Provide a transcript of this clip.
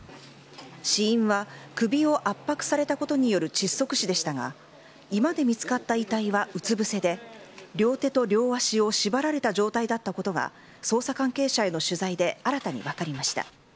死因は首を圧迫されたことによる窒息死でしたが居間で見つかった遺体はうつ伏せで両手と両足を縛られた状態だったことが捜査関係者への取材で新たに分かりました。